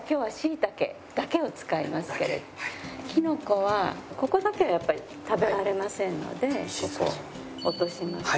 キノコはここだけはやっぱり食べられませんのでここ落としますね。